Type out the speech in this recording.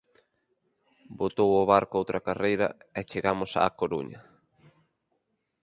Botou o barco outra carreira, e chegamos á Coruña